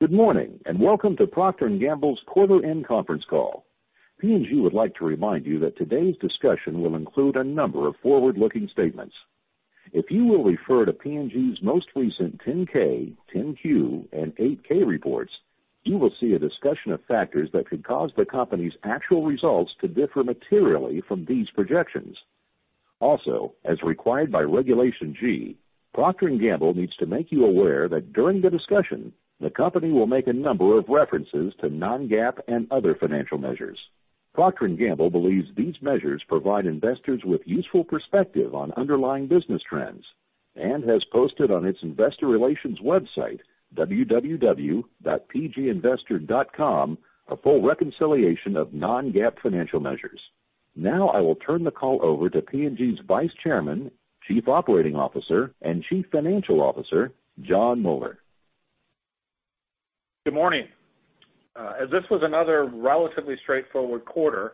Good morning, and welcome to Procter & Gamble's quarter end conference call. P&G would like to remind you that today's discussion will include a number of forward-looking statements. If you will refer to P&G's most recent 10-K, 10-Q, and 8-K reports, you will see a discussion of factors that could cause the company's actual results to differ materially from these projections. Also, as required by Regulation G, Procter & Gamble needs to make you aware that during the discussion, the company will make a number of references to non-GAAP and other financial measures. Procter & Gamble believes these measures provide investors with useful perspective on underlying business trends, and has posted on its investor relations website, www.pginvestor.com, a full reconciliation of non-GAAP financial measures. Now I will turn the call over to P&G's Vice Chairman, Chief Operating Officer, and Chief Financial Officer, Jon Moeller. Good morning. As this was another relatively straightforward quarter,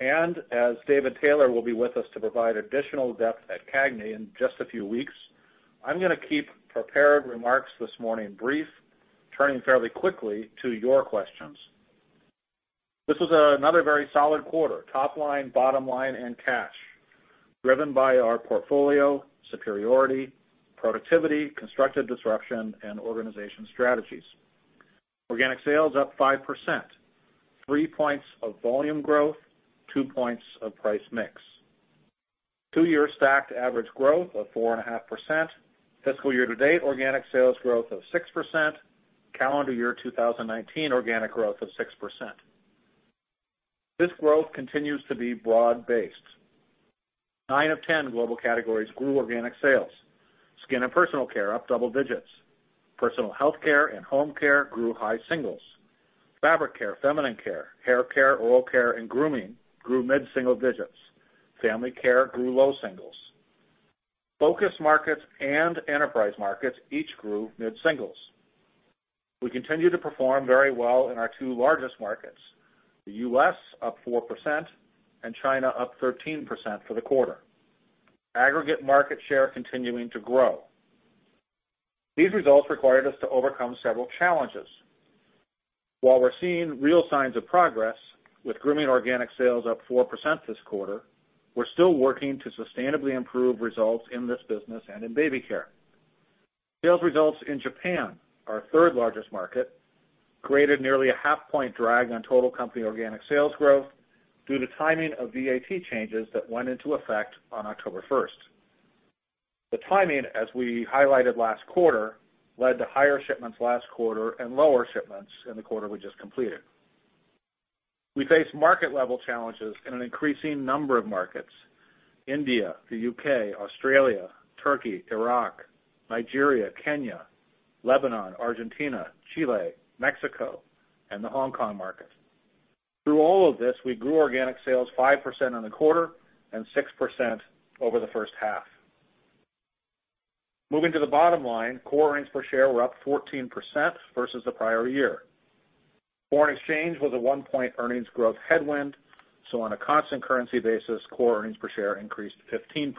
as David Taylor will be with us to provide additional depth at CAGNY in just a few weeks, I'm going to keep prepared remarks this morning brief, turning fairly quickly to your questions. This was another very solid quarter, top line, bottom line, and cash, driven by our portfolio, superiority, productivity, constructive disruption, and organization strategies. Organic sales up 5%, 3 points of volume growth, 2 points of price mix. Two-year stacked average growth of 4.5%, fiscal year-to-date organic sales growth of 6%, calendar year 2019 organic growth of 6%. This growth continues to be broad-based. Nine of 10 global categories grew organic sales. Skin and personal care up double digits. Personal healthcare and home care grew high singles. Fabric care, feminine care, hair care, oral care, and grooming grew mid-single digits. Family care grew low singles. Focus markets and enterprise markets each grew mid-singles. We continue to perform very well in our two largest markets, the U.S. up 4% and China up 13% for the quarter. Aggregate market share continuing to grow. These results required us to overcome several challenges. While we're seeing real signs of progress, with grooming organic sales up 4% this quarter, we're still working to sustainably improve results in this business and in baby care. Sales results in Japan, our third largest market, created nearly a half point drag on total company organic sales growth due to timing of VAT changes that went into effect on October 1st. The timing, as we highlighted last quarter, led to higher shipments last quarter and lower shipments in the quarter we just completed. We faced market-level challenges in an increasing number of markets, India, the U.K., Australia, Turkey, Iraq, Nigeria, Kenya, Lebanon, Argentina, Chile, Mexico, and the Hong Kong market. Through all of this, we grew organic sales 5% on the quarter and 6% over the first half. Moving to the bottom line, core earnings per share were up 14% versus the prior year. Foreign exchange was a one-point earnings growth headwind, so on a constant currency basis, core earnings per share increased 15%.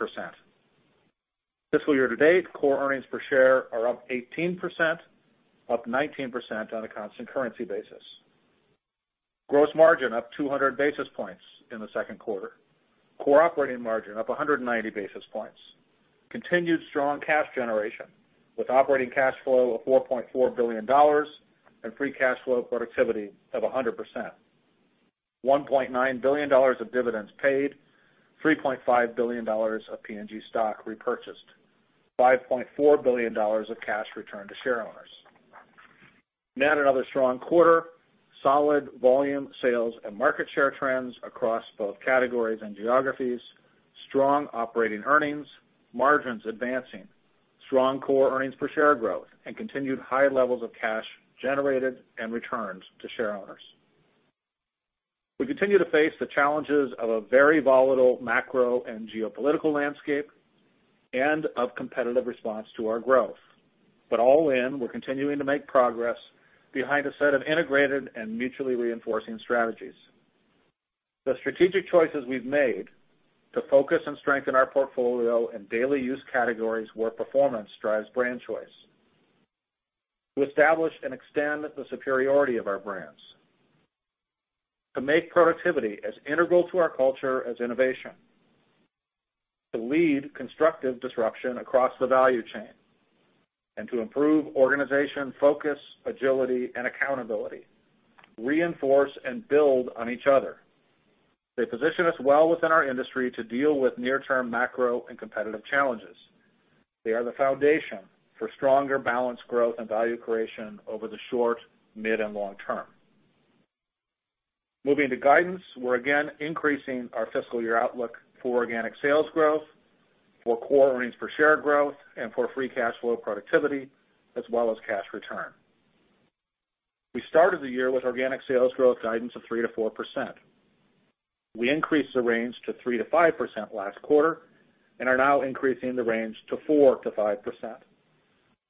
Fiscal year-to-date, core earnings per share are up 18%, up 19% on a constant currency basis. Gross margin up 200 basis points in the second quarter. Core operating margin up 190 basis points. Continued strong cash generation with operating cash flow of $4.4 billion and free cash flow productivity of 100%. $1.9 billion of dividends paid, $3.5 billion of P&G stock repurchased, $5.4 billion of cash returned to shareowners. Net another strong quarter, solid volume sales and market share trends across both categories and geographies, strong operating earnings, margins advancing, strong core earnings per share growth, and continued high levels of cash generated and returned to shareowners. We continue to face the challenges of a very volatile macro and geopolitical landscape and of competitive response to our growth. All in, we're continuing to make progress behind a set of integrated and mutually reinforcing strategies. The strategic choices we've made to focus and strengthen our portfolio in daily use categories where performance drives brand choice, to establish and extend the superiority of our brands, to make productivity as integral to our culture as innovation, to lead constructive disruption across the value chain, and to improve organization focus, agility, and accountability, reinforce and build on each other. They position us well within our industry to deal with near-term macro and competitive challenges. They are the foundation for stronger balanced growth and value creation over the short, mid, and long term. Moving to guidance, we're again increasing our fiscal year outlook for organic sales growth, for core earnings per share growth, and for free cash flow productivity, as well as cash return. We started the year with organic sales growth guidance of 3%-4%. We increased the range to 3%-5% last quarter and are now increasing the range to 4%-5%.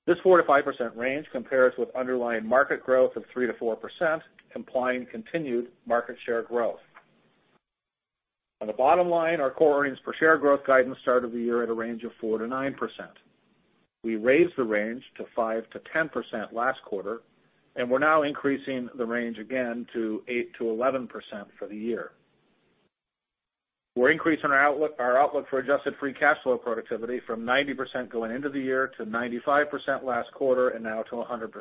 This 4%-5% range compares with underlying market growth of 3%-4%, implying continued market share growth. On the bottom line, our core earnings per share growth guidance started the year at a range of 4%-9%. We raised the range to 5%-10% last quarter, we're now increasing the range again to 8%-11% for the year. We're increasing our outlook for adjusted free cash flow productivity from 90% going into the year to 95% last quarter, now to 100%.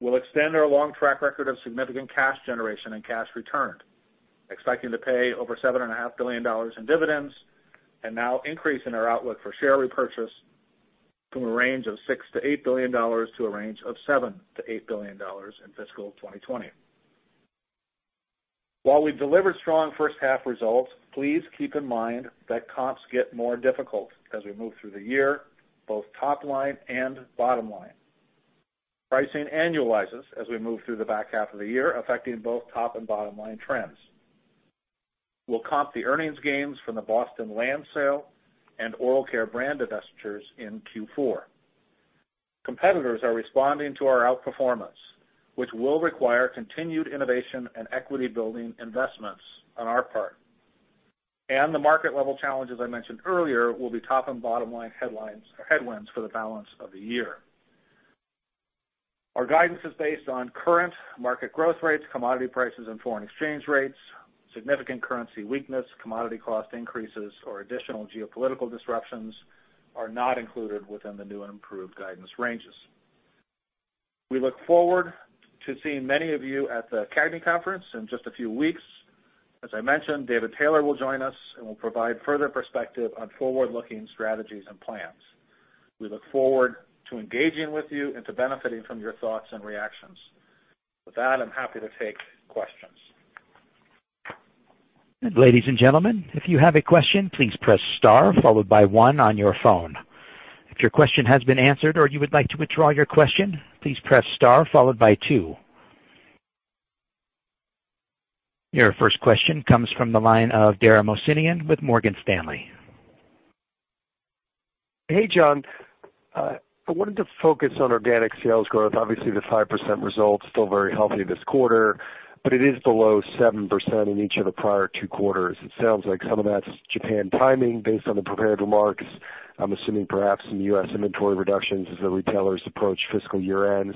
We'll extend our long track record of significant cash generation and cash returned, expecting to pay over $7.5 billion in dividends, and now increasing our outlook for share repurchase from a range of $6 billion-$8 billion to a range of $7 billion-$8 billion in fiscal 2020. While we've delivered strong first half results, please keep in mind that comps get more difficult as we move through the year, both top line and bottom line. Pricing annualizes as we move through the back half of the year, affecting both top and bottom line trends. We'll comp the earnings gains from the Boston Land sale and oral care brand divestitures in Q4. Competitors are responding to our outperformance, which will require continued innovation and equity building investments on our part. The market level challenges I mentioned earlier will be top and bottom line headwinds for the balance of the year. Our guidance is based on current market growth rates, commodity prices, and foreign exchange rates. Significant currency weakness, commodity cost increases, or additional geopolitical disruptions are not included within the new improved guidance ranges. We look forward to seeing many of you at the CAGNY Conference in just a few weeks. As I mentioned, David Taylor will join us and will provide further perspective on forward-looking strategies and plans. We look forward to engaging with you and to benefiting from your thoughts and reactions. With that, I'm happy to take questions. Ladies and gentlemen, if you have a question, please press star followed by one on your phone. If your question has been answered or you would like to withdraw your question, please press star followed by two. Your first question comes from the line of Dara Mohsenian with Morgan Stanley. Hey, Jon. I wanted to focus on organic sales growth. Obviously, the 5% result, still very healthy this quarter, but it is below 7% in each of the prior two quarters. It sounds like some of that's Japan timing based on the prepared remarks. I'm assuming perhaps some U.S. inventory reductions as the retailers approach fiscal year-end.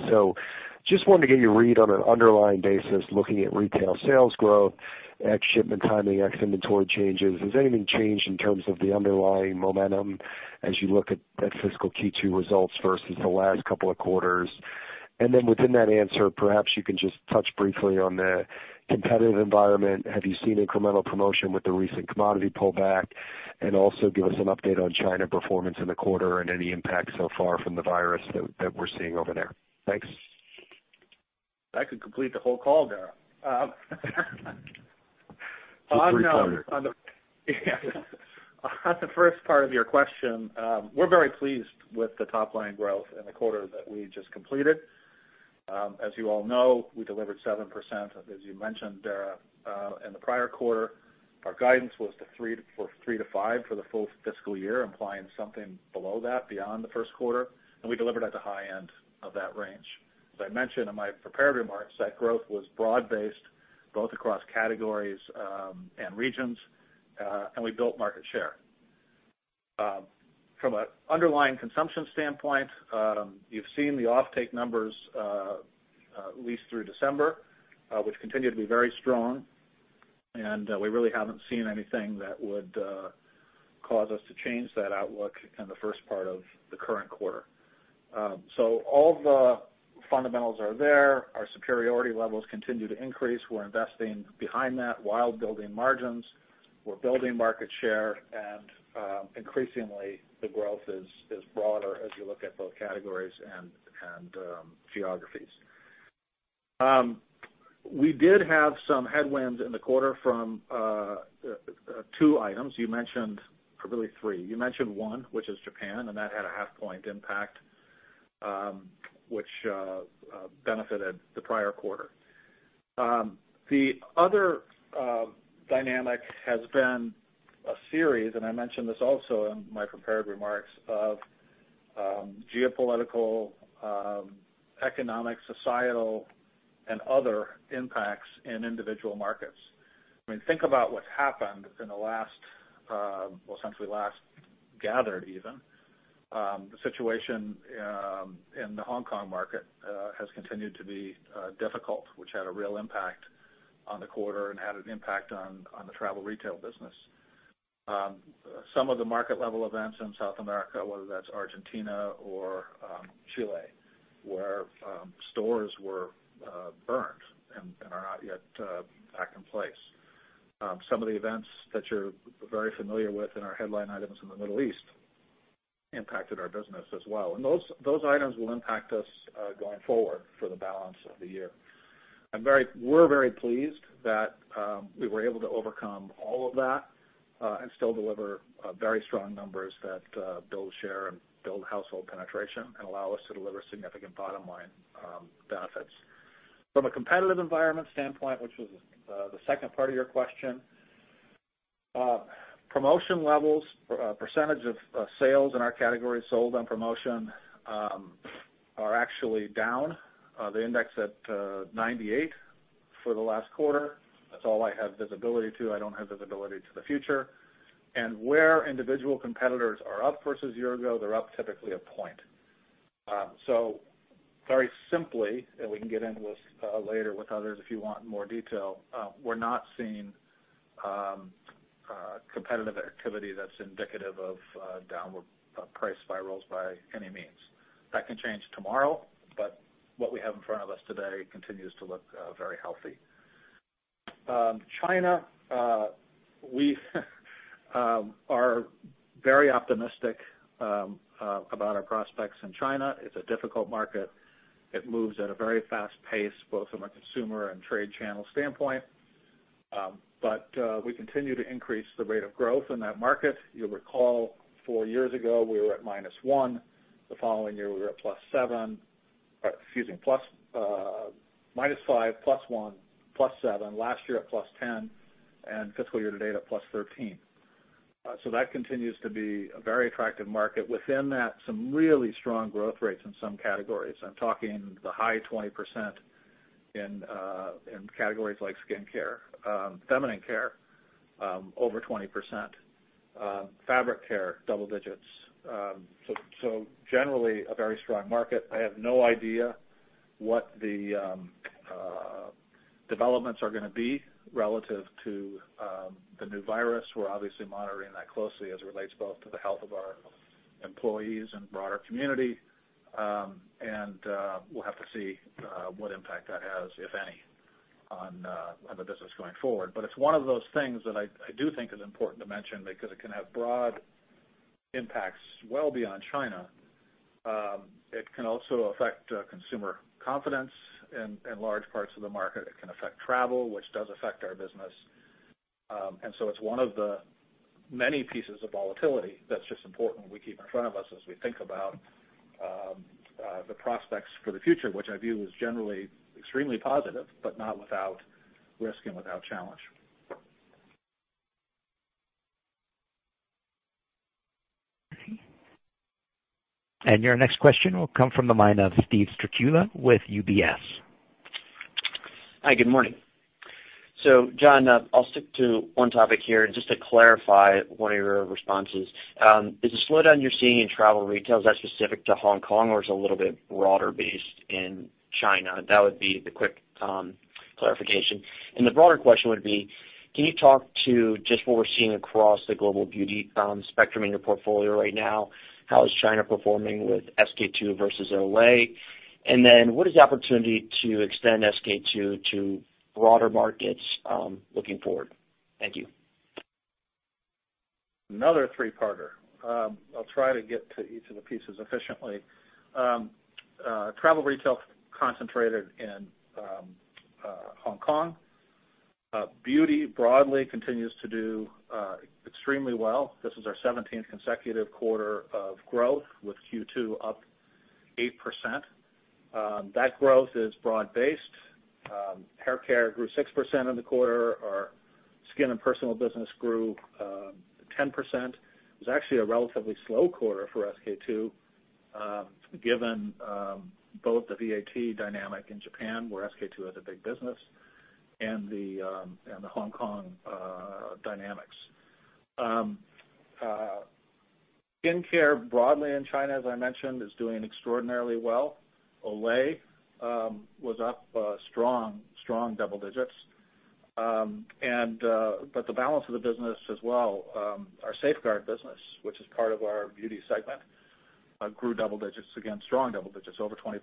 Just wanted to get your read on an underlying basis, looking at retail sales growth, ex shipment timing, ex inventory changes. Has anything changed in terms of the underlying momentum as you look at fiscal Q2 results versus the last couple of quarters? Within that answer, perhaps you can just touch briefly on the competitive environment. Have you seen incremental promotion with the recent commodity pullback? Also give us an update on China performance in the quarter and any impact so far from the virus that we're seeing over there. Thanks. That could complete the whole call, Dara. It's a three-parter. On the first part of your question, we're very pleased with the top-line growth in the quarter that we just completed. As you all know, we delivered 7%, as you mentioned, Dara. In the prior quarter, our guidance was for 3%-5% for the full fiscal year, implying something below that beyond the first quarter, and we delivered at the high end of that range. As I mentioned in my prepared remarks, that growth was broad-based, both across categories and regions, and we built market share. From an underlying consumption standpoint, you've seen the offtake numbers, at least through December, which continue to be very strong, and we really haven't seen anything that would cause us to change that outlook in the first part of the current quarter. All the fundamentals are there. Our superiority levels continue to increase. We're investing behind that while building margins. We're building market share and, increasingly, the growth is broader as you look at both categories and geographies. We did have some headwinds in the quarter from two items. You mentioned probably three. You mentioned one, which is Japan, and that had a half point impact, which benefited the prior quarter. The other dynamic has been a series, and I mentioned this also in my prepared remarks, of geopolitical, economic, societal, and other impacts in individual markets. Think about what's happened in the last, well, since we last gathered, even. The situation in the Hong Kong market has continued to be difficult, which had a real impact on the quarter and had an impact on the travel retail business. Some of the market-level events in South America, whether that's Argentina or Chile, where stores were burnt and are not yet back in place. Some of the events that you're very familiar with in our headline items in the Middle East impacted our business as well. Those items will impact us going forward for the balance of the year. We're very pleased that we were able to overcome all of that and still deliver very strong numbers that build share and build household penetration and allow us to deliver significant bottom-line benefits. From a competitive environment standpoint, which was the second part of your question. Promotion levels, percentage of sales in our category sold on promotion are actually down. They index at 98 for the last quarter. That's all I have visibility to. I don't have visibility to the future. Where individual competitors are up versus a year ago, they're up typically a point. Very simply, and we can get into this later with others if you want more detail, we're not seeing competitive activity that's indicative of downward price spirals by any means. That can change tomorrow, what we have in front of us today continues to look very healthy. China, we are very optimistic about our prospects in China. It's a difficult market. It moves at a very fast pace, both from a consumer and trade channel standpoint. We continue to increase the rate of growth in that market. You'll recall four years ago, we were at -1%. The following year, we were at +7%. Excuse me, -5%, +1%, +7%. Last year at +10%, and fiscal year-to-date at +13%. That continues to be a very attractive market. Within that, some really strong growth rates in some categories. I'm talking the high 20% in categories like skincare. Feminine care, over 20%. Fabric care, double digits. Generally, a very strong market. I have no idea what the developments are going to be relative to the new virus. We're obviously monitoring that closely as it relates both to the health of our employees and broader community. We'll have to see what impact that has, if any, on the business going forward. It's one of those things that I do think is important to mention, because it can have broad impacts well beyond China. It can also affect consumer confidence in large parts of the market. It can affect travel, which does affect our business. It's one of the many pieces of volatility that's just important we keep in front of us as we think about the prospects for the future, which I view as generally extremely positive, but not without risk and without challenge. Your next question will come from the mind of Steve Strycula with UBS. Hi, good morning. Jon, I'll stick to one topic here. Just to clarify one of your responses. Is the slowdown you're seeing in travel and retail, is that specific to Hong Kong, or is it a little bit broader based in China? That would be the quick clarification. The broader question would be, can you talk to just what we're seeing across the global beauty spectrum in your portfolio right now? How is China performing with SK-II versus Olay? What is the opportunity to extend SK-II to broader markets looking forward? Thank you. Another three parter. I'll try to get to each of the pieces efficiently. Travel retail concentrated in Hong Kong. Beauty broadly continues to do extremely well. This is our 17th consecutive quarter of growth, with Q2 up 8%. That growth is broad-based. Hair care grew 6% in the quarter. Our skin and personal business grew 10%. It was actually a relatively slow quarter for SK-II, given both the VAT dynamic in Japan, where SK-II has a big business, and the Hong Kong dynamics. Skincare broadly in China, as I mentioned, is doing extraordinarily well. Olay was up a strong double digits. The balance of the business as well, our Safeguard business, which is part of our beauty segment, grew double digits. Again, strong double digits, over 20%.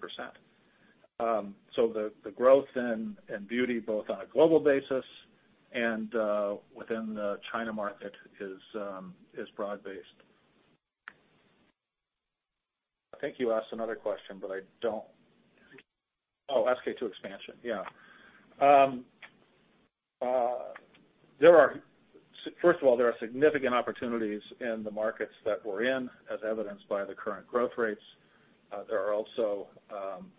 The growth in beauty, both on a global basis and within the China market, is broad based. I think you asked another question. SK-II expansion. Yeah. First of all, there are significant opportunities in the markets that we're in, as evidenced by the current growth rates. There are also,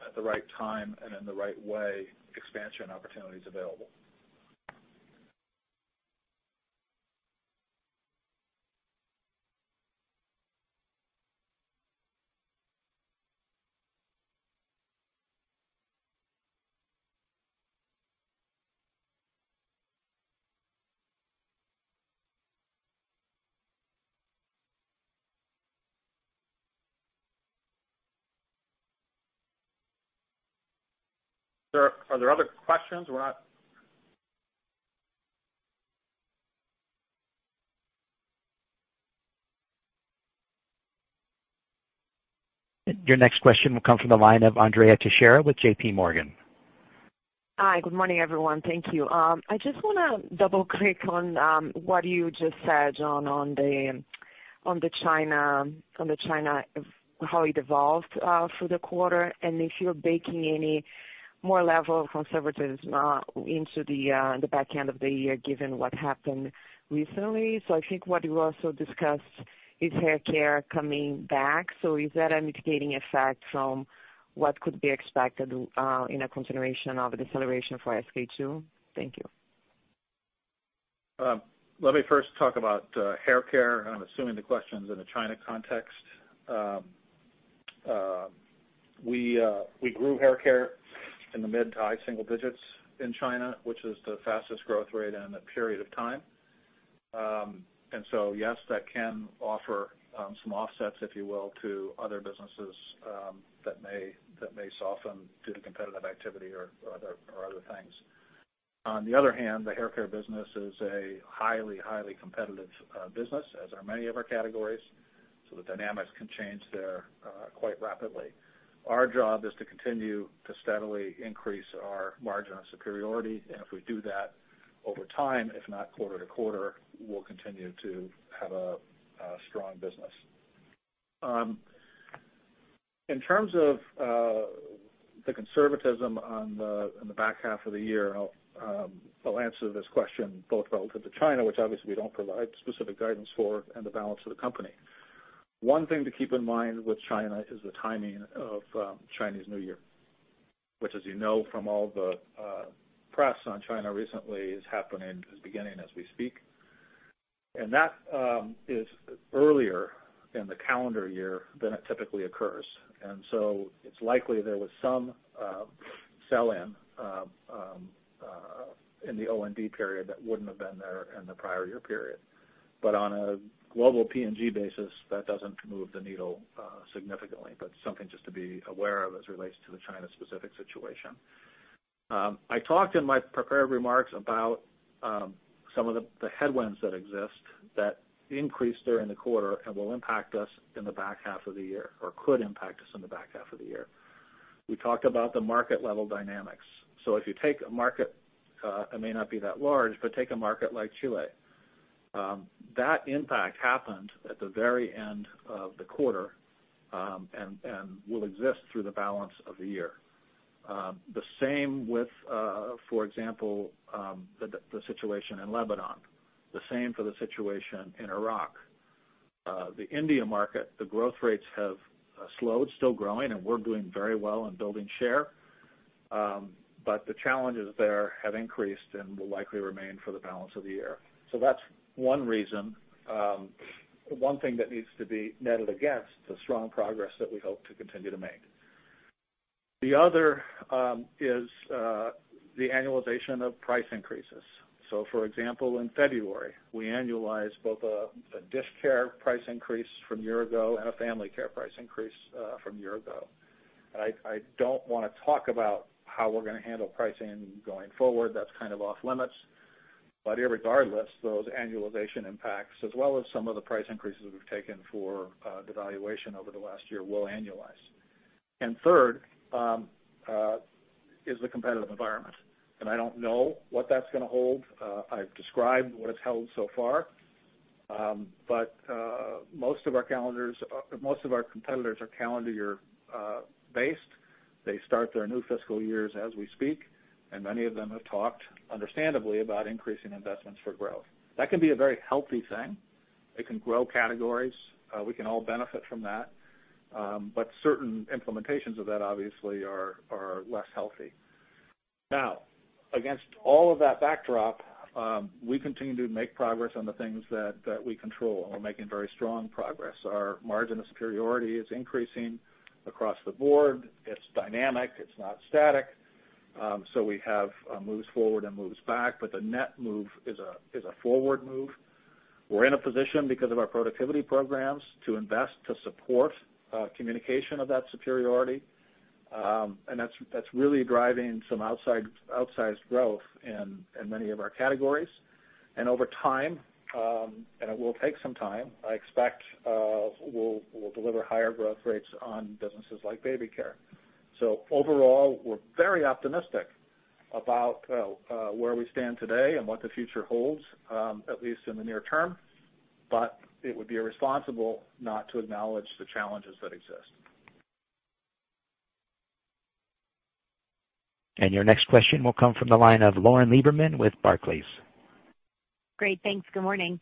at the right time and in the right way, expansion opportunities available. Are there other questions? Your next question will come from the line of Andrea Teixeira with JPMorgan. Hi, good morning, everyone. Thank you. I just want to double-click on what you just said, Jon, on the China, how it evolved through the quarter, and if you're baking any more level of conservatism into the back end of the year given what happened recently. I think what you also discussed, is hair care coming back? Is that a mitigating effect from what could be expected in a continuation of a deceleration for SK-II? Thank you. Let me first talk about hair care, and I'm assuming the question's in a China context. We grew hair care in the mid to high single digits in China, which is the fastest growth rate in a period of time. Yes, that can offer some offsets, if you will, to other businesses that may soften due to competitive activity or other things. On the other hand, the hair care business is a highly competitive business, as are many of our categories, so the dynamics can change there quite rapidly. Our job is to continue to steadily increase our margin of superiority, and if we do that over time, if not quarter to quarter, we'll continue to have a strong business. In terms of the conservatism on the back half of the year, I'll answer this question both relative to China, which obviously we don't provide specific guidance for, and the balance of the company. One thing to keep in mind with China is the timing of Chinese New Year, which as you know from all the press on China recently, is beginning as we speak. That is earlier in the calendar year than it typically occurs. It's likely there was some sell-in, in the OND period that wouldn't have been there in the prior year period. On a global P&G basis, that doesn't move the needle significantly, but something just to be aware of as it relates to the China specific situation. I talked in my prepared remarks about some of the headwinds that exist that increased during the quarter and will impact us in the back half of the year, or could impact us in the back half of the year. We talked about the market level dynamics. If you take a market, it may not be that large, but take a market like Chile. That impact happened at the very end of the quarter, and will exist through the balance of the year. The same with, for example, the situation in Lebanon. The same for the situation in Iraq. The India market, the growth rates have slowed. Still growing, and we're doing very well in building share. The challenges there have increased and will likely remain for the balance of the year. That's one thing that needs to be netted against the strong progress that we hope to continue to make. The other is the annualization of price increases. For example, in February, we annualized both a dish care price increase from a year ago and a family care price increase from a year ago. I don't want to talk about how we're going to handle pricing going forward. That's kind of off limits. Irregardless, those annualization impacts, as well as some of the price increases we've taken for devaluation over the last year will annualize. Third is the competitive environment. I don't know what that's going to hold. I've described what it's held so far. Most of our competitors are calendar year based. They start their new fiscal years as we speak, and many of them have talked, understandably, about increasing investments for growth. That can be a very healthy thing. It can grow categories. We can all benefit from that. Certain implementations of that obviously are less healthy. Now, against all of that backdrop, we continue to make progress on the things that we control. We're making very strong progress. Our margin of superiority is increasing across the board. It's dynamic. It's not static. We have moves forward and moves back, but the net move is a forward move. We're in a position because of our productivity programs to invest, to support communication of that superiority. That's really driving some outsized growth in many of our categories. Over time, and it will take some time, I expect we'll deliver higher growth rates on businesses like baby care. Overall, we're very optimistic about where we stand today and what the future holds, at least in the near term. It would be irresponsible not to acknowledge the challenges that exist. Your next question will come from the line of Lauren Lieberman with Barclays. Great. Thanks. Good morning.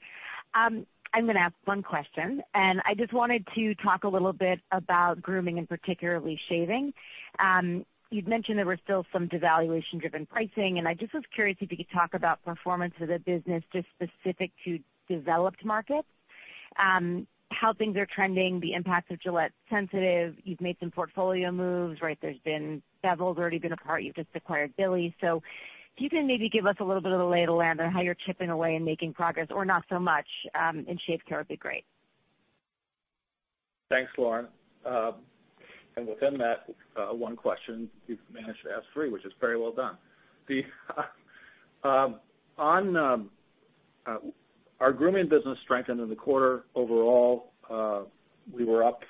I'm going to ask one question. I just wanted to talk a little bit about grooming and particularly shaving. You'd mentioned there were still some devaluation-driven pricing. I just was curious if you could talk about performance of the business, just specific to developed markets. How things are trending, the impact of Gillette Sensitive. You've made some portfolio moves. Bevel's already been a part. You've just acquired Billie. If you can maybe give us a little bit of the lay of the land on how you're chipping away and making progress, or not so much, in shave care would be great. Thanks, Lauren. Within that one question, you've managed to ask three, which is very well done. Our grooming business strengthened in the quarter. Overall, we were up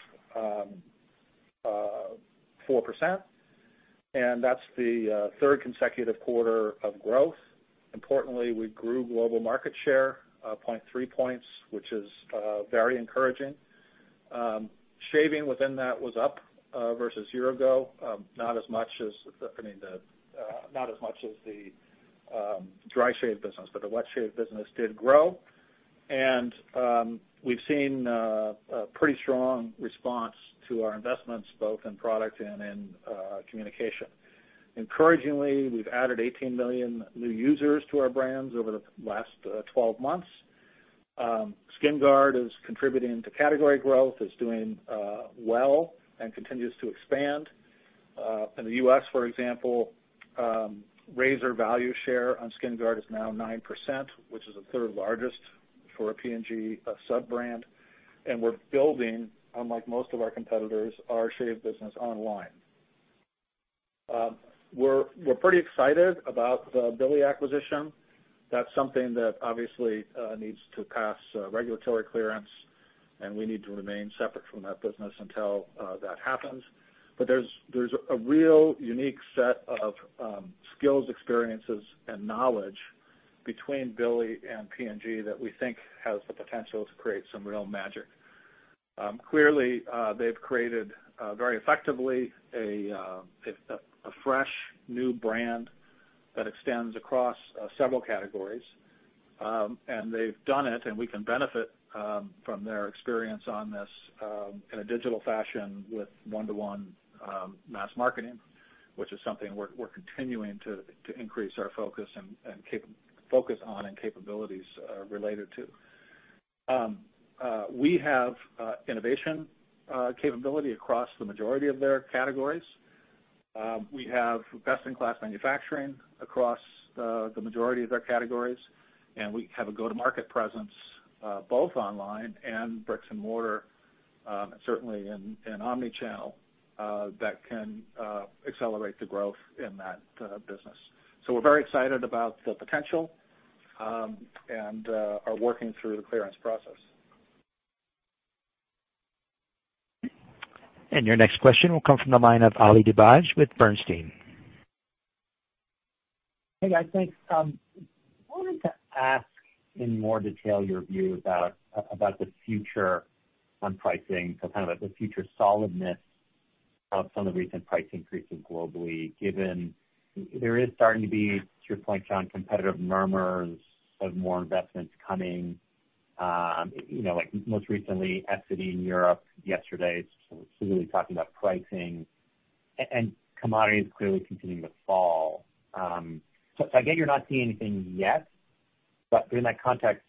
4%, and that's the third consecutive quarter of growth. Importantly, we grew global market share, 0.3 points, which is very encouraging. Shaving within that was up versus a year ago. Not as much as the dry shave business, but the wet shave business did grow. We've seen a pretty strong response to our investments, both in product and in communication. Encouragingly, we've added 18 million new users to our brands over the last 12 months. SkinGuard is contributing to category growth, is doing well, and continues to expand. In the U.S., for example, razor value share on SkinGuard is now 9%, which is the third largest for a P&G sub-brand. We're building, unlike most of our competitors, our shave business online. We're pretty excited about the Billie acquisition. That's something that obviously needs to pass regulatory clearance, and we need to remain separate from that business until that happens. There's a real unique set of skills, experiences, and knowledge between Billie and P&G that we think has the potential to create some real magic. Clearly, they've created, very effectively, a fresh new brand that extends across several categories. They've done it, and we can benefit from their experience on this in a digital fashion with one-to-one mass marketing, which is something we're continuing to increase our focus on and capabilities related to. We have innovation capability across the majority of their categories. We have best-in-class manufacturing across the majority of their categories, and we have a go-to-market presence both online and bricks and mortar, certainly in omni-channel, that can accelerate the growth in that business. We're very excited about the potential and are working through the clearance process. Your next question will come from the line of Ali Dibadj with Bernstein. Hey, guys, thanks. I wanted to ask in more detail your view about the future on pricing, so kind of the future solidness of some of the recent price increases globally, given there is starting to be, to your point, Jon, competitive murmurs of more investments coming. Most recently, Essity in Europe yesterday, seemingly talking about pricing, and commodities clearly continuing to fall. I get you're not seeing anything yet, but in that context,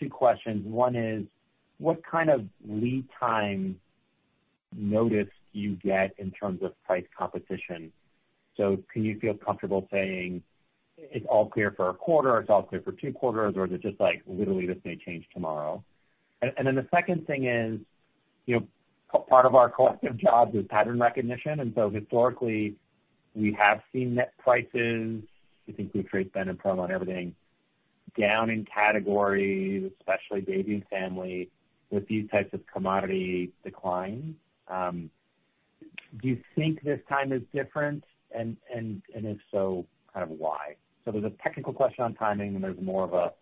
two questions. One is, what kind of lead time notice do you get in terms of price competition? Can you feel comfortable saying it's all clear for a quarter, or it's all clear for two quarters, or is it just like, literally, this may change tomorrow? The second thing is, part of our collective jobs is pattern recognition, historically, we have seen net prices. I think this increased rate's been on everything down in categories, especially baby and family, with these types of commodity declines. Do you think this time is different, and if so, why? There's a technical question on timing, and there's more of a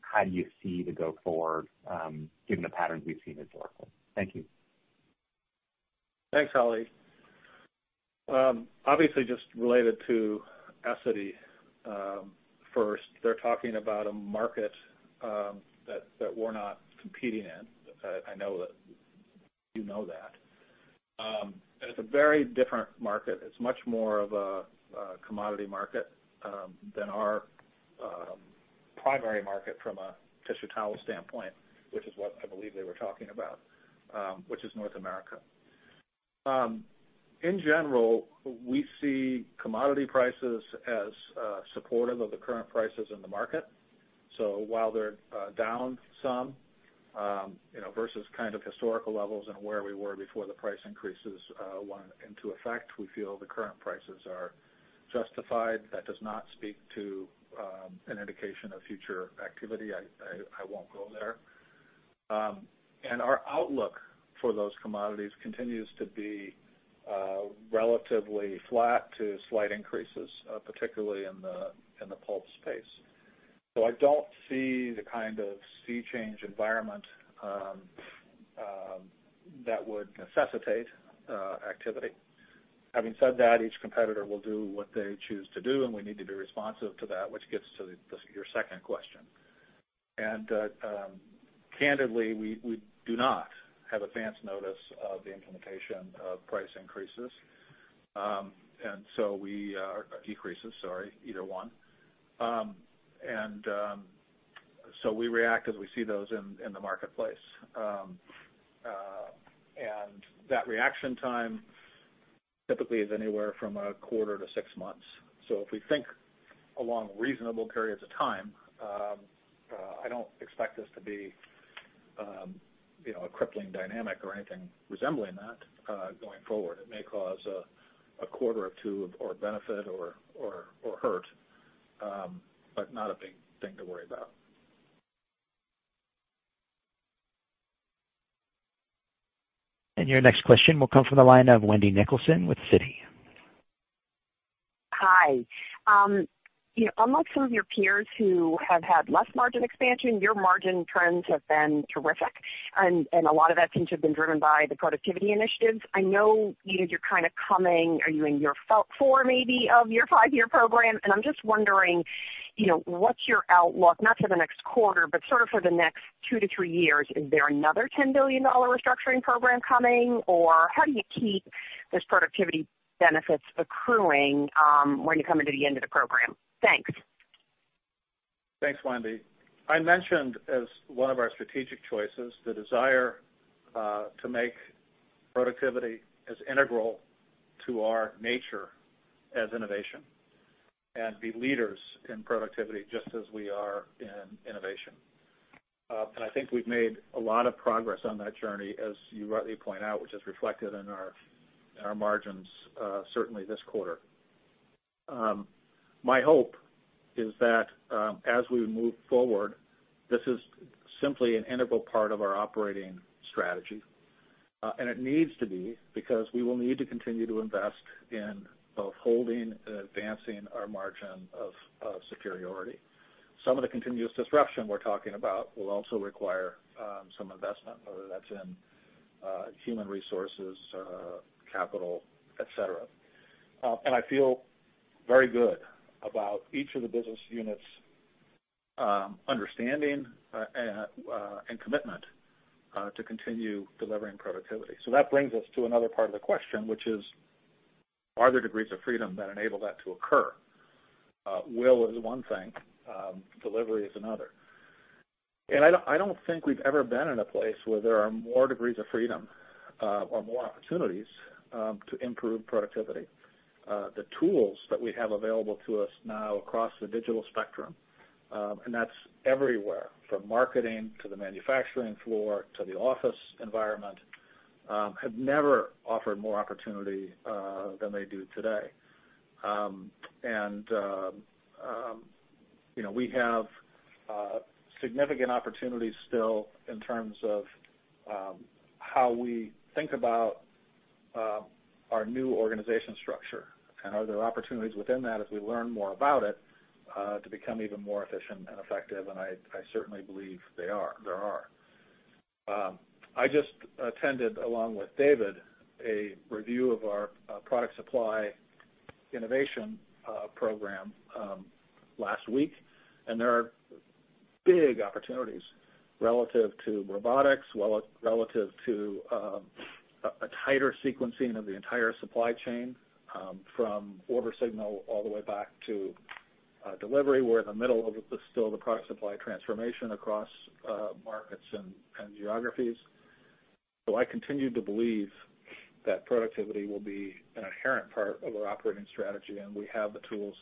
how do you see the go forward given the patterns we've seen historically? Thank you. Thanks, Ali. Obviously, just related to Essity, first, they're talking about a market that we're not competing in. I know that you know that. It's a very different market. It's much more of a commodity market than our primary market from a tissue towel standpoint, which is what I believe they were talking about, which is North America. In general, we see commodity prices as supportive of the current prices in the market. While they're down some versus historical levels and where we were before the price increases went into effect, we feel the current prices are justified. That does not speak to an indication of future activity. I won't go there. Our outlook for those commodities continues to be relatively flat to slight increases, particularly in the pulp space. I don't see the kind of sea change environment that would necessitate activity. Having said that, each competitor will do what they choose to do, and we need to be responsive to that, which gets to your second question. Candidly, we do not have advance notice of the implementation of price increases. Decreases, sorry, either one. We react as we see those in the marketplace. That reaction time typically is anywhere from a quarter to six months. If we think along reasonable periods of time, I don't expect this to be a crippling dynamic or anything resembling that going forward. It may cause a quarter or two of benefit or hurt, but not a big thing to worry about. Your next question will come from the line of Wendy Nicholson with Citi. Hi. Unlike some of your peers who have had less margin expansion, your margin trends have been terrific, and a lot of that seems to have been driven by the productivity initiatives. I know you're kind of coming, are you in your fourth maybe of your five-year program? I'm just wondering. What's your outlook, not for the next quarter, but sort of for the next two to three years? Is there another $10 billion restructuring program coming, or how do you keep those productivity benefits accruing when you're coming to the end of the program? Thanks. Thanks, Wendy. I mentioned as one of our strategic choices, the desire to make productivity as integral to our nature as innovation, and be leaders in productivity just as we are in innovation. I think we've made a lot of progress on that journey, as you rightly point out, which is reflected in our margins certainly this quarter. My hope is that as we move forward, this is simply an integral part of our operating strategy. It needs to be, because we will need to continue to invest in both holding and advancing our margin of superiority. Some of the continuous disruption we're talking about will also require some investment, whether that's in human resources, capital, et cetera. I feel very good about each of the business units' understanding and commitment to continue delivering productivity. That brings us to another part of the question, which is, are there degrees of freedom that enable that to occur? Will is one thing, delivery is another. I don't think we've ever been in a place where there are more degrees of freedom or more opportunities to improve productivity. The tools that we have available to us now across the digital spectrum, and that's everywhere from marketing to the manufacturing floor to the office environment, have never offered more opportunity than they do today. We have significant opportunities still in terms of how we think about our new organization structure, and are there opportunities within that as we learn more about it to become even more efficient and effective, and I certainly believe there are. I just attended, along with David, a review of our product supply innovation program last week, and there are big opportunities relative to robotics, relative to a tighter sequencing of the entire supply chain from order signal all the way back to delivery. We're in the middle of still the product supply transformation across markets and geographies. I continue to believe that productivity will be an inherent part of our operating strategy, and we have the tools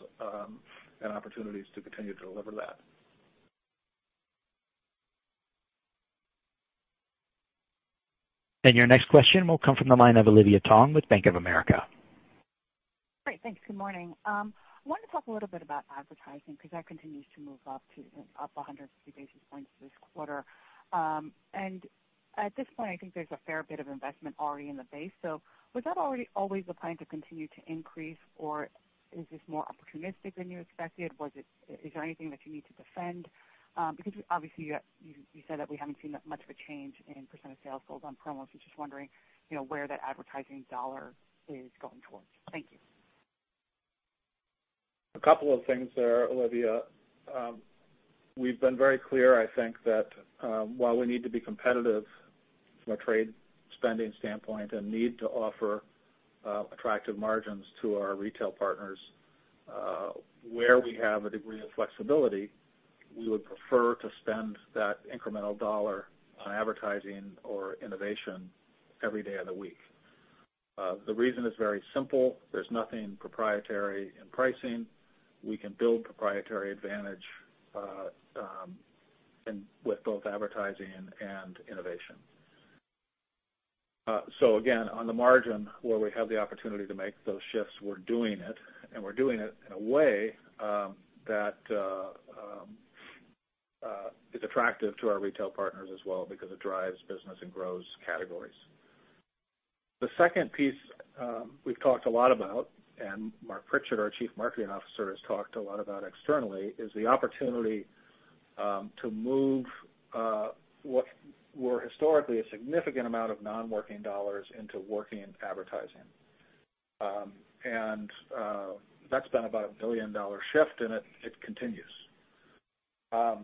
and opportunities to continue to deliver that. Your next question will come from the line of Olivia Tong with Bank of America. Great. Thanks. Good morning. I wanted to talk a little bit about advertising, because that continues to move up 150 basis points this quarter. At this point, I think there's a fair bit of investment already in the base. Was that always the plan to continue to increase, or is this more opportunistic than you expected? Is there anything that you need to defend? Obviously, you said that we haven't seen that much of a change in percent of sales holds on promos. Just wondering where that advertising dollar is going towards. Thank you. A couple of things there, Olivia. We've been very clear, I think, that while we need to be competitive from a trade spending standpoint and need to offer attractive margins to our retail partners where we have a degree of flexibility, we would prefer to spend that incremental dollar on advertising or innovation every day of the week. The reason is very simple. There's nothing proprietary in pricing. We can build proprietary advantage with both advertising and innovation. Again, on the margin where we have the opportunity to make those shifts, we're doing it, and we're doing it in a way that is attractive to our retail partners as well because it drives business and grows categories. The second piece we've talked a lot about, and Marc Pritchard, our Chief Marketing Officer, has talked a lot about externally, is the opportunity to move what were historically a significant amount of non-working dollars into working in advertising. That's been about a billion-dollar shift, and it continues. The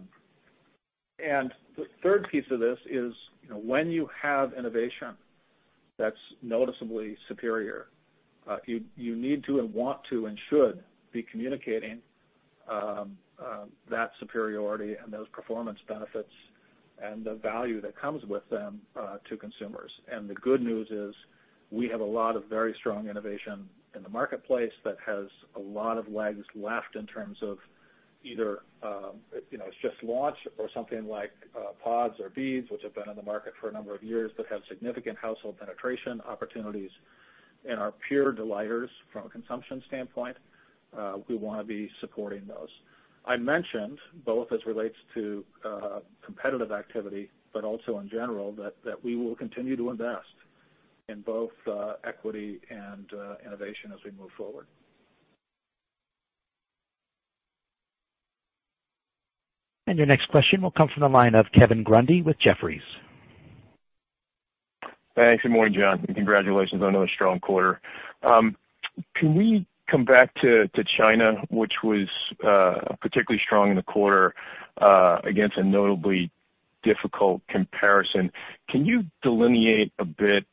third piece of this is when you have innovation that's noticeably superior, you need to and want to and should be communicating that superiority and those performance benefits and the value that comes with them to consumers. The good news is we have a lot of very strong innovation in the marketplace that has a lot of legs left in terms of either it's just launched or something like pods or beads, which have been on the market for a number of years that have significant household penetration opportunities and are pure delighters from a consumption standpoint. We want to be supporting those. I mentioned both as relates to competitive activity, but also in general, that we will continue to invest in both equity and innovation as we move forward. Your next question will come from the line of Kevin Grundy with Jefferies. Thanks. Good morning, Jon, and congratulations on another strong quarter. Can we come back to China, which was particularly strong in the quarter against a notably difficult comparison? Can you delineate a bit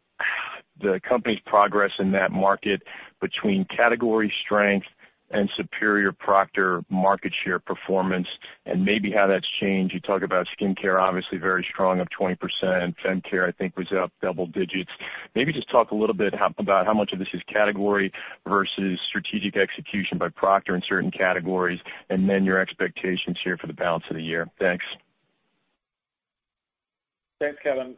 the company's progress in that market between category strength and superior Procter market share performance, and maybe how that's changed? You talk about skincare, obviously very strong, up 20%, and fem care, I think, was up double digits. Maybe just talk a little bit about how much of this is category versus strategic execution by Procter in certain categories, and then your expectations here for the balance of the year. Thanks. Thanks, Kevin.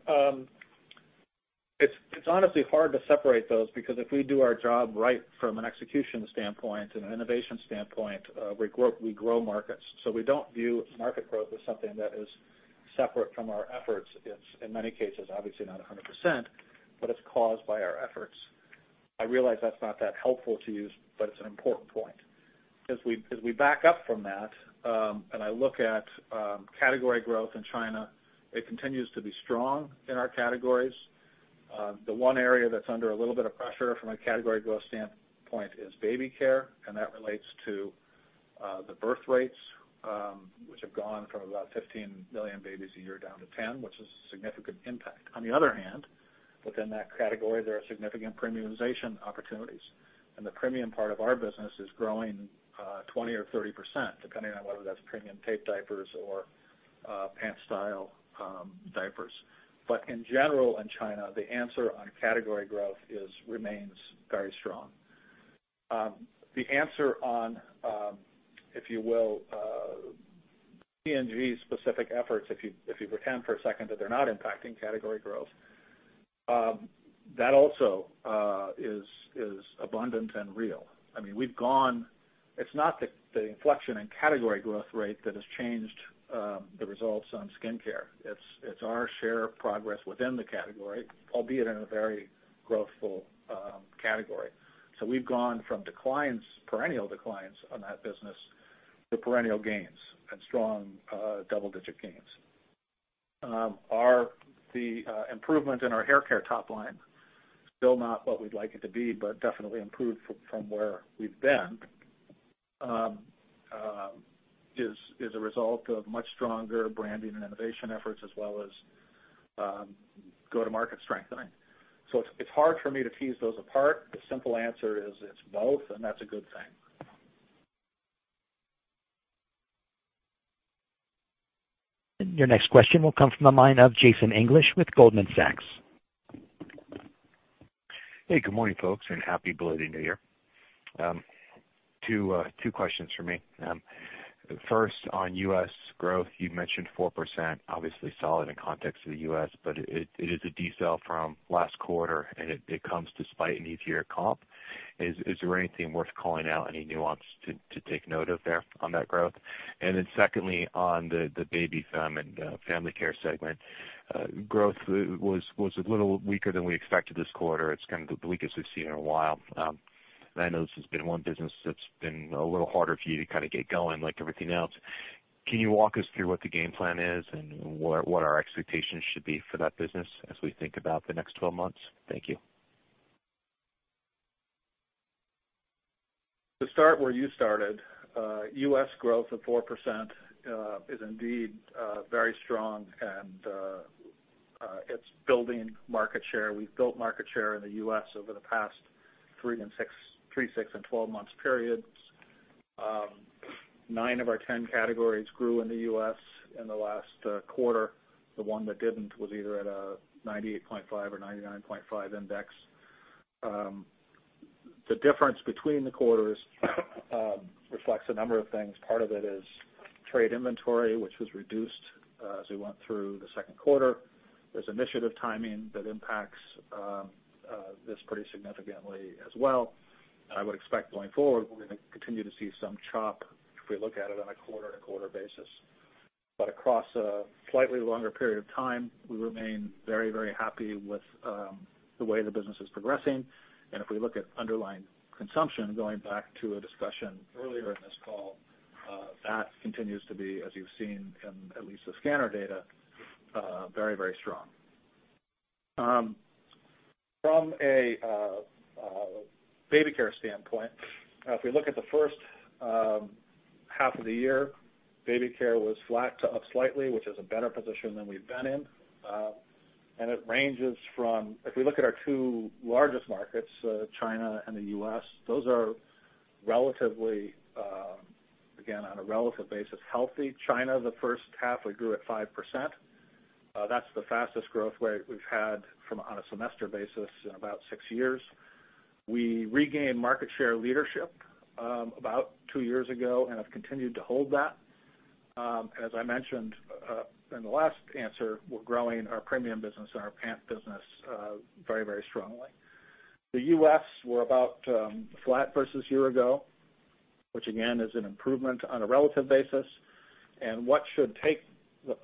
It's honestly hard to separate those, because if we do our job right from an execution standpoint and an innovation standpoint, we grow markets. We don't view market growth as something that is separate from our efforts. It's in many cases, obviously not 100%, but it's caused by our efforts. I realize that's not that helpful to you, but it's an important point. As we back up from that, and I look at category growth in China, it continues to be strong in our categories. The one area that's under a little bit of pressure from a category growth standpoint is baby care, and that relates to the birth rates, which have gone from about 15 million babies a year down to 10, which is a significant impact. Within that category, there are significant premiumization opportunities, and the premium part of our business is growing 20% or 30%, depending on whether that's premium tape diapers or pant-style diapers. In general, in China, the answer on category growth remains very strong. The answer on, if you will, P&G's specific efforts, if you pretend for a second that they're not impacting category growth, that also is abundant and real. It's not the inflection in category growth rate that has changed the results on skincare. It's our share progress within the category, albeit in a very growthful category. We've gone from perennial declines on that business to perennial gains and strong double-digit gains. The improvement in our hair care top line, still not what we'd like it to be, but definitely improved from where we've been, is a result of much stronger branding and innovation efforts, as well as go-to-market strengthening. It's hard for me to tease those apart. The simple answer is it's both, and that's a good thing. Your next question will come from the line of Jason English with Goldman Sachs. Hey, good morning, folks, and Happy New Year. Two questions from me. First, on U.S. growth, you mentioned 4%, obviously solid in context of the U.S., but it is a decel from last quarter, and it comes despite an easier comp. Is there anything worth calling out, any nuance to take note of there on that growth? Secondly, on the baby, fem, and family care segment, growth was a little weaker than we expected this quarter. It's kind of the weakest we've seen in a while. I know this has been one business that's been a little harder for you to kind of get going like everything else. Can you walk us through what the game plan is and what our expectations should be for that business as we think about the next 12 months? Thank you. To start where you started, U.S. growth of 4% is indeed very strong and it's building market share. We've built market share in the U.S. over the past three, six, and 12 months periods. Nine of our 10 categories grew in the U.S. in the last quarter. The one that didn't was either at a 98.5 or 99.5 index. The difference between the quarters reflects a number of things. Part of it is trade inventory, which was reduced as we went through the second quarter. There's initiative timing that impacts this pretty significantly as well. I would expect going forward, we're going to continue to see some chop if we look at it on a quarter-to-quarter basis. Across a slightly longer period of time, we remain very happy with the way the business is progressing. If we look at underlying consumption, going back to a discussion earlier in this call, that continues to be, as you've seen in at least the scanner data, very strong. From a baby care standpoint, if we look at the first half of the year, baby care was flat to up slightly, which is a better position than we've been in. It ranges from, if we look at our two largest markets, China and the U.S., those are, again, on a relative basis, healthy. China, the first half, we grew at 5%. That's the fastest growth rate we've had on a semester basis in about six years. We regained market share leadership about two years ago and have continued to hold that. As I mentioned in the last answer, we're growing our premium business and our pant business very strongly. The U.S. were about flat versus a year ago, which again, is an improvement on a relative basis. What should take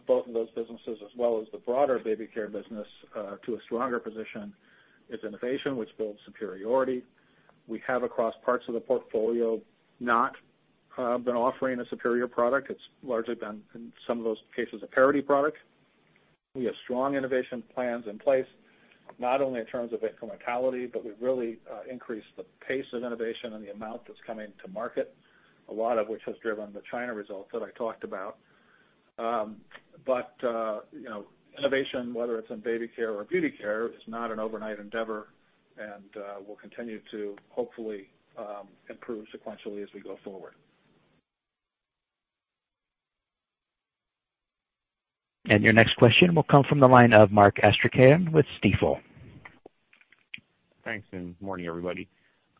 both of those businesses, as well as the broader baby care business, to a stronger position. It's innovation, which builds superiority. We have, across parts of the portfolio, not been offering a superior product. It's largely been, in some of those cases, a parity product. We have strong innovation plans in place, not only in terms of incrementality, but we've really increased the pace of innovation and the amount that's coming to market, a lot of which has driven the China results that I talked about. Innovation, whether it's in baby care or beauty care, is not an overnight endeavor, and we'll continue to hopefully improve sequentially as we go forward. Your next question will come from the line of Mark Astrachan with Stifel. Thanks. Morning, everybody.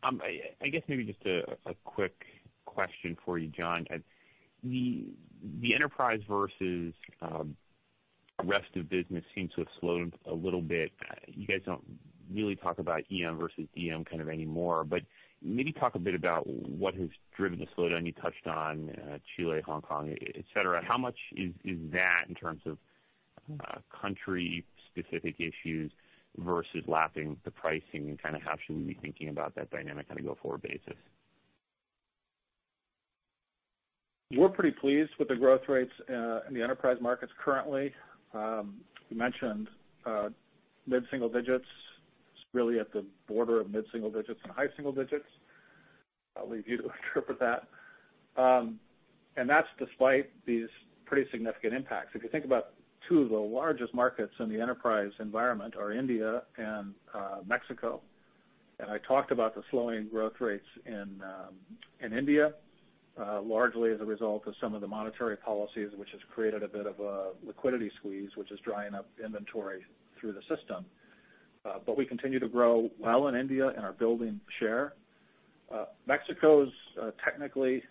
I guess maybe just a quick question for you, Jon. The enterprise versus rest of business seems to have slowed a little bit. You guys don't really talk about EM versus DM anymore, but maybe talk a bit about what has driven the slowdown. You touched on Chile, Hong Kong, et cetera. How much is that in terms of country-specific issues versus lapping the pricing, and how should we be thinking about that dynamic on a go-forward basis? We're pretty pleased with the growth rates in the enterprise markets currently. We mentioned mid-single digits. It's really at the border of mid-single digits and high single digits. I'll leave you to interpret that. That's despite these pretty significant impacts. If you think about two of the largest markets in the enterprise environment are India and Mexico. I talked about the slowing growth rates in India, largely as a result of some of the monetary policies, which has created a bit of a liquidity squeeze, which is drying up inventory through the system. We continue to grow well in India and are building share. Mexico is technically,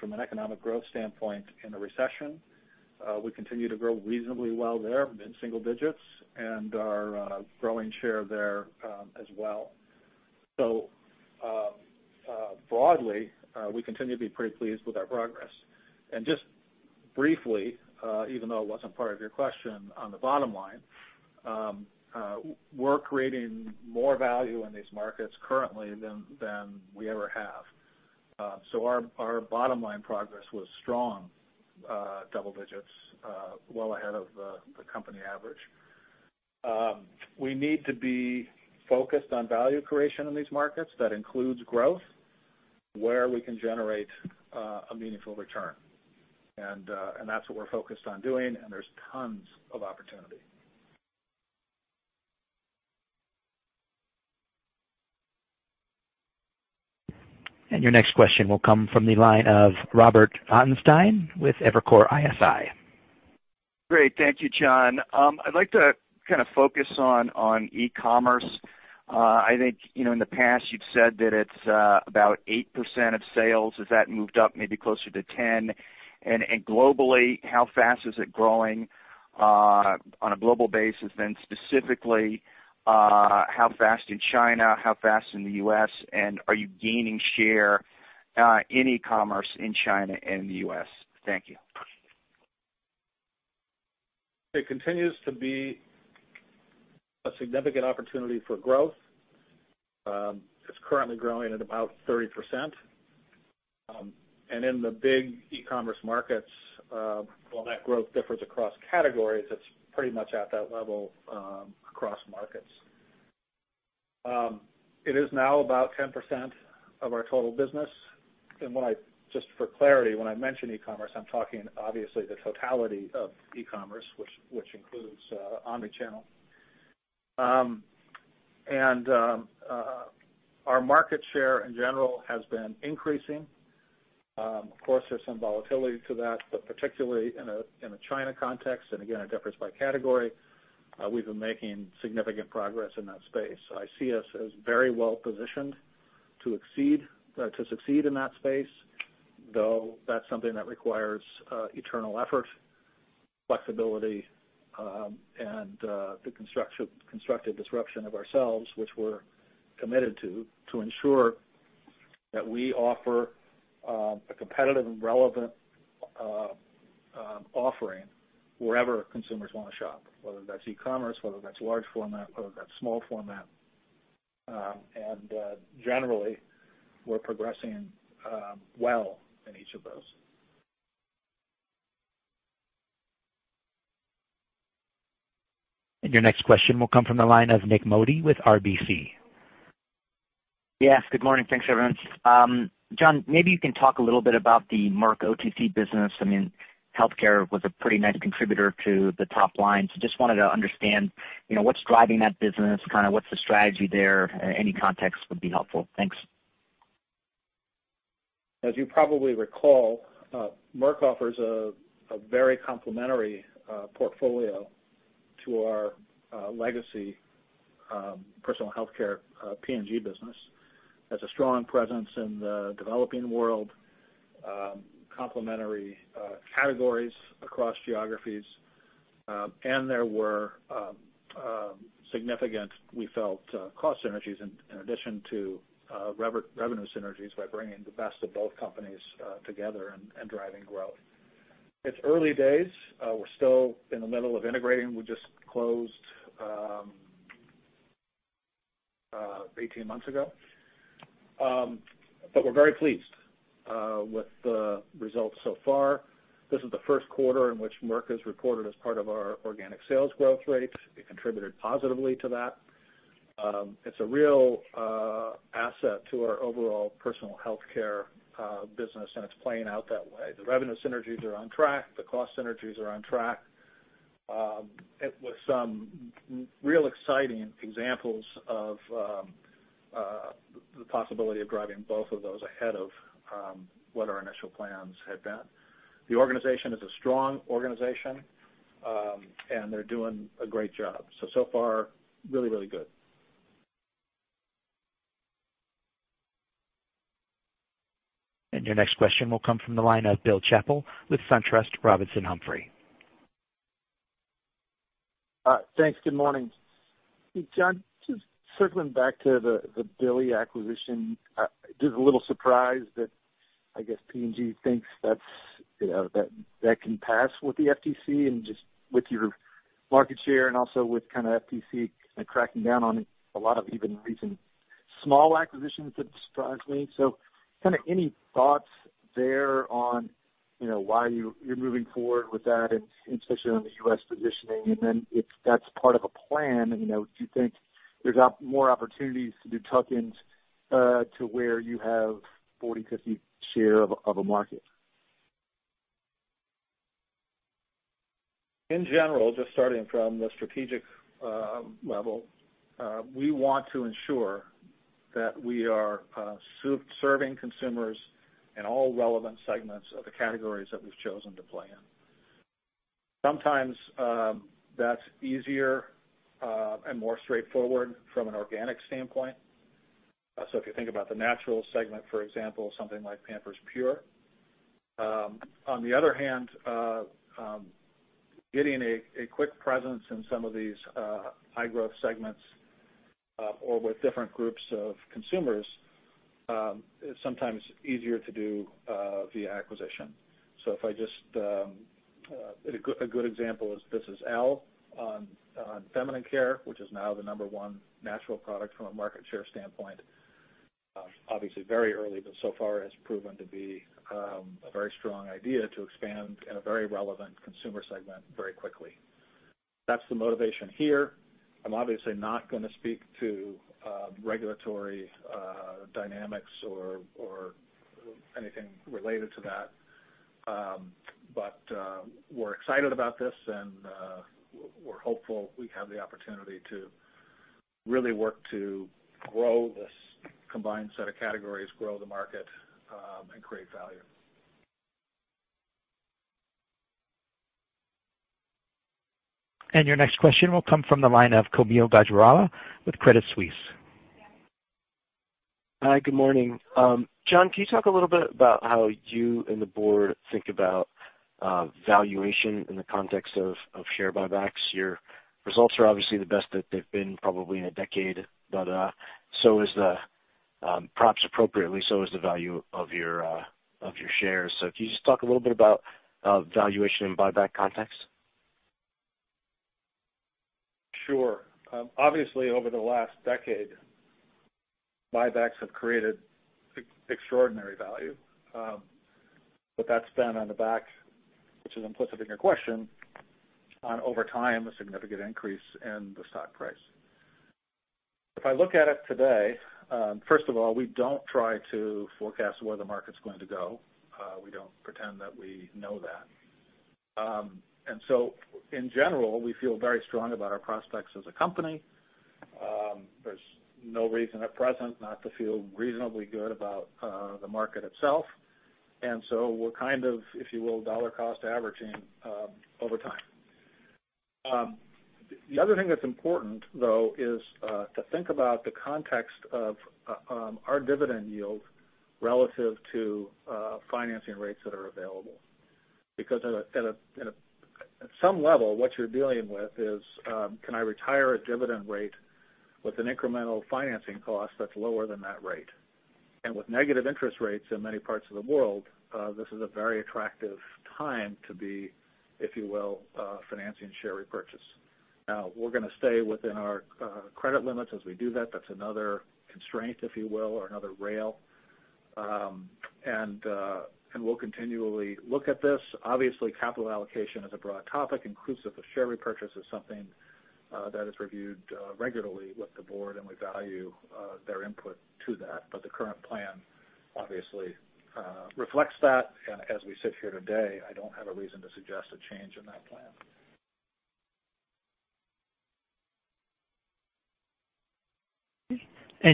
from an economic growth standpoint, in a recession. We continue to grow reasonably well there, mid-single digits, and are growing share there as well. Broadly, we continue to be pretty pleased with our progress. Just briefly, even though it wasn't part of your question, on the bottom line, we're creating more value in these markets currently than we ever have. Our bottom line progress was strong double digits, well ahead of the company average. We need to be focused on value creation in these markets. That includes growth where we can generate a meaningful return, and that's what we're focused on doing, and there's tons of opportunity. Your next question will come from the line of Robert Ottenstein with Evercore ISI. Great. Thank you, Jon. I'd like to focus on e-commerce. I think in the past you've said that it's about 8% of sales. Has that moved up maybe closer to 10%? Globally, how fast is it growing on a global basis? Specifically, how fast in China, how fast in the U.S., and are you gaining share in e-commerce in China and the U.S.? Thank you. It continues to be a significant opportunity for growth. It's currently growing at about 30%. In the big e-commerce markets, while that growth differs across categories, it's pretty much at that level across markets. It is now about 10% of our total business. Just for clarity, when I mention e-commerce, I'm talking obviously the totality of e-commerce, which includes omni-channel. Our market share, in general, has been increasing. Of course, there's some volatility to that, but particularly in a China context, and again, it differs by category, we've been making significant progress in that space. I see us as very well-positioned to succeed in that space, though that's something that requires eternal effort, flexibility, and the constructive disruption of ourselves, which we're committed to ensure that we offer a competitive and relevant offering wherever consumers want to shop, whether that's e-commerce, whether that's large format, whether that's small format. Generally, we're progressing well in each of those. Your next question will come from the line of Nik Modi with RBC. Yes. Good morning. Thanks, everyone. Jon, maybe you can talk a little bit about the Merck OTC business. Healthcare was a pretty nice contributor to the top line, so just wanted to understand what's driving that business, what's the strategy there? Any context would be helpful. Thanks. As you probably recall, Merck offers a very complementary portfolio to our legacy personal healthcare P&G business. Has a strong presence in the developing world, complementary categories across geographies, there were significant, we felt, cost synergies in addition to revenue synergies by bringing the best of both companies together and driving growth. It's early days. We're still in the middle of integrating. We just closed 18 months ago. We're very pleased with the results so far. This is the first quarter in which Merck is reported as part of our organic sales growth rate. It contributed positively to that. It's a real asset to our overall personal healthcare business, and it's playing out that way. The revenue synergies are on track, the cost synergies are on track, with some real exciting examples of the possibility of driving both of those ahead of what our initial plans had been. The organization is a strong organization, and they're doing a great job. So far, really good. Your next question will come from the line of Bill Chappell with SunTrust Robinson Humphrey. Thanks, good morning. Jon, just circling back to the Billie acquisition. Just a little surprised that P&G thinks that can pass with the FTC and just with your market share and also with FTC kind of cracking down on a lot of even recent small acquisitions, that surprised me. Any thoughts there on why you're moving forward with that, especially on the U.S. positioning, if that's part of a plan, do you think there's more opportunities to do tuck-ins to where you have 40, 50 share of a market? In general, just starting from the strategic level, we want to ensure that we are serving consumers in all relevant segments of the categories that we've chosen to play in. Sometimes that's easier and more straightforward from an organic standpoint. If you think about the natural segment, for example, something like Pampers Pure. On the other hand, getting a quick presence in some of these high-growth segments or with different groups of consumers is sometimes easier to do via acquisition. A good example of this is L. on feminine care, which is now the number one natural product from a market share standpoint. Obviously very early, but so far has proven to be a very strong idea to expand in a very relevant consumer segment very quickly. That's the motivation here. I'm obviously not going to speak to regulatory dynamics or anything related to that. We're excited about this, and we're hopeful we have the opportunity to really work to grow this combined set of categories, grow the market, and create value. Your next question will come from the line of Kaumil Gajrawala with Credit Suisse. Hi, good morning. Jon, can you talk a little bit about how you and the board think about valuation in the context of share buybacks? Your results are obviously the best that they've been probably in a decade, but perhaps appropriately so is the value of your shares. Can you just talk a little bit about valuation in buyback context? Sure. Obviously, over the last decade, buybacks have created extraordinary value. That's been on the back, which is implicit in your question, on over time, a significant increase in the stock price. If I look at it today, first of all, we don't try to forecast where the market's going to go. We don't pretend that we know that. In general, we feel very strong about our prospects as a company. There's no reason at present not to feel reasonably good about the market itself. We're kind of, if you will, dollar cost averaging over time. The other thing that's important, though, is to think about the context of our dividend yield relative to financing rates that are available. At some level, what you're dealing with is, can I retire a dividend rate with an incremental financing cost that's lower than that rate? With negative interest rates in many parts of the world, this is a very attractive time to be, if you will, financing share repurchase. Now, we're going to stay within our credit limits as we do that. That's another constraint, if you will, or another rail. We'll continually look at this. Obviously, capital allocation is a broad topic, inclusive of share repurchase is something that is reviewed regularly with the board, and we value their input to that. The current plan obviously reflects that, and as we sit here today, I don't have a reason to suggest a change in that plan.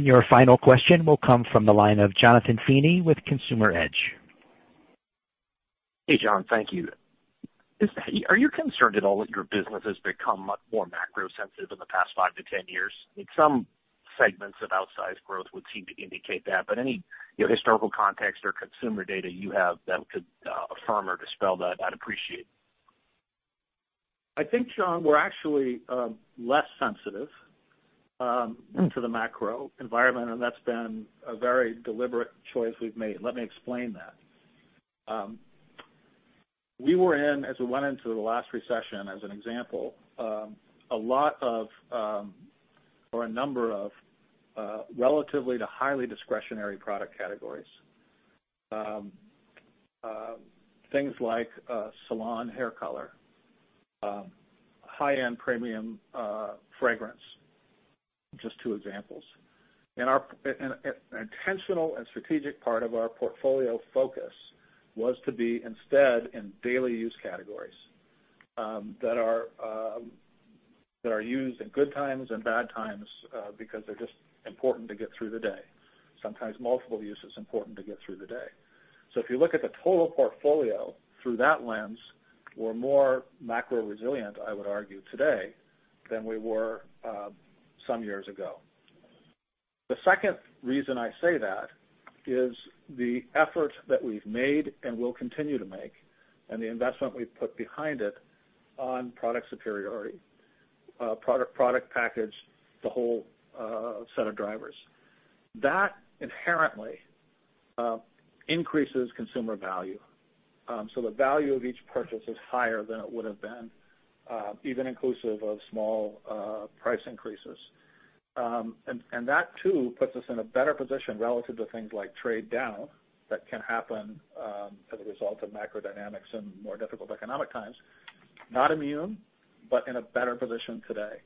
Your final question will come from the line of Jonathan Feeney with Consumer Edge. Hey, Jon. Thank you. Are you concerned at all that your business has become much more macro sensitive in the past 5 to 10 years? In some segments of outsized growth would seem to indicate that, but any historical context or consumer data you have that could affirm or dispel that, I'd appreciate. I think, Jon, we're actually less sensitive to the macro environment. That's been a very deliberate choice we've made. Let me explain that. We were in, as we went into the last recession, as an example, a lot of or a number of relatively to highly discretionary product categories. Things like salon hair color, high-end premium fragrance, just two examples. An intentional and strategic part of our portfolio focus was to be instead in daily use categories, that are used in good times and bad times because they're just important to get through the day. Sometimes multiple use is important to get through the day. If you look at the total portfolio through that lens, we're more macro resilient, I would argue today, than we were some years ago. The second reason I say that is the effort that we've made and will continue to make, and the investment we've put behind it, on product superiority, product package, the whole set of drivers. That inherently increases consumer value. The value of each purchase is higher than it would have been, even inclusive of small price increases. That too, puts us in a better position relative to things like trade down that can happen, as a result of macro dynamics in more difficult economic times. Not immune, but in a better position today.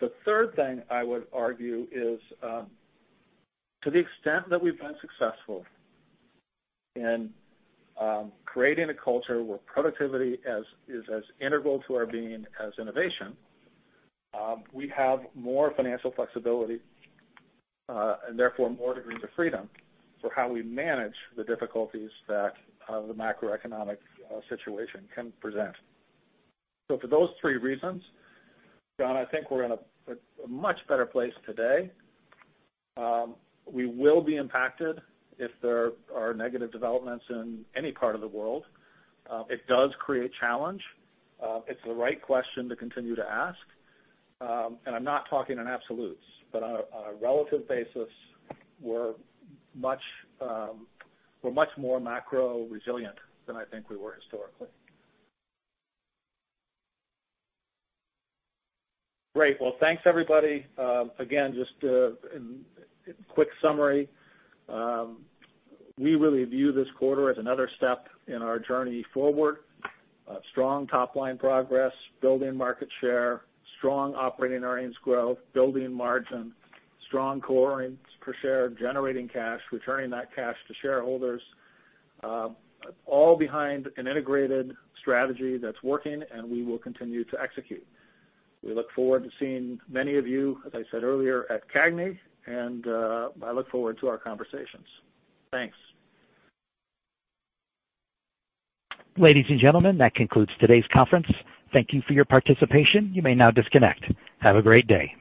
The third thing I would argue is, to the extent that we've been successful in creating a culture where productivity is as integral to our being as innovation, we have more financial flexibility, and therefore more degrees of freedom for how we manage the difficulties that the macroeconomic situation can present. For those three reasons, Jon, I think we're in a much better place today. We will be impacted if there are negative developments in any part of the world. It does create challenge. It's the right question to continue to ask. I'm not talking in absolutes, but on a relative basis, we're much more macro resilient than I think we were historically. Great. Well, thanks, everybody. Again, just a quick summary. We really view this quarter as another step in our journey forward. Strong top-line progress, building market share, strong operating earnings growth, building margin, strong core earnings per share, generating cash, returning that cash to shareholders, all behind an integrated strategy that's working and we will continue to execute. We look forward to seeing many of you, as I said earlier, at CAGNY, and I look forward to our conversations. Thanks. Ladies and gentlemen, that concludes today's conference. Thank you for your participation. You may now disconnect. Have a great day.